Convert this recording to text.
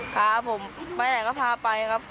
พาผมไปไหนก็พาไปครับ